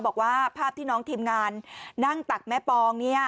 บอกว่าภาพที่น้องทีมงานนั่งตักแม่ปองเนี่ย